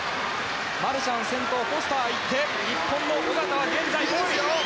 マルシャン、先頭フォスターがいって日本の小方は５位！